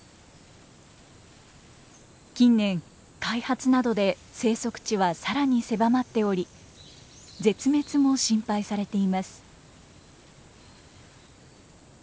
近年開発などで生息地は更に狭まっており絶滅も心配されています。